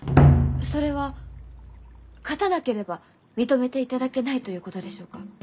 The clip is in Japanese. それは勝たなければ認めていただけないということでしょうか？